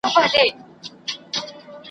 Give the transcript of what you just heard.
ډېر بېحده ورته ګران وو نازولی `